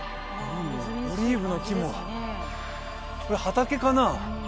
オリーブの木もこれ畑かな？